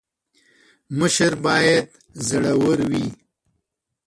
مشر باید زړه ور وي